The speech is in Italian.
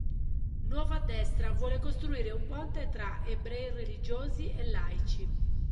Nuova Destra vuole costruire un ponte tra ebrei religiosi e laici.